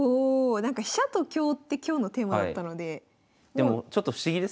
なんか飛車と香って今日のテーマだったので。